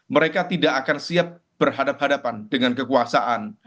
mereka tidak akan siap berhadapan hadapan dengan kekuasaan